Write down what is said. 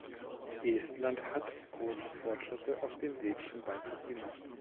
Estland hat große Fortschritte auf dem Weg zum Beitritt gemacht.